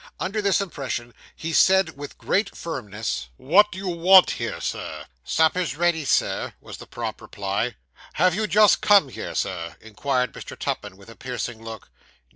Under this impression, he said with great firmness 'What do you want here, Sir?' 'Supper's ready, sir,' was the prompt reply. 'Have you just come here, sir?' inquired Mr. Tupman, with a piercing look.